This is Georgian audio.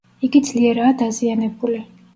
იგი ძლიერაა დაზიანებული.